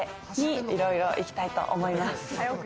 いろいろ行きたいと思います。